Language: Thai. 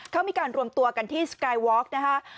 เขามีการรวมตัวกันที่สกายวอร์กนะฮะ